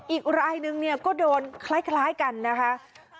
อีกรายหนึ่งก็โดนคล้ายกันนะคะ